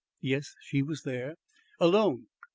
Yes, she was there. "Alone?"